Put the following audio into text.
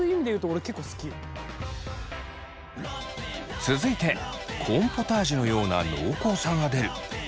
続いてコーンポタージュのような濃厚さが出るコーンスナックです。